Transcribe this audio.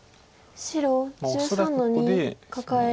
白１３の二カカエ。